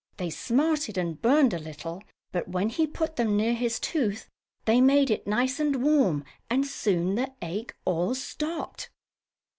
They smarted and burned a little, but when he put them near his tooth they made it nice and warm and soon the ache all stopped.